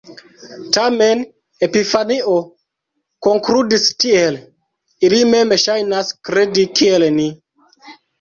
Tamen, Epifanio konkludis tiel: "“Ili mem ŝajnas kredi kiel ni”".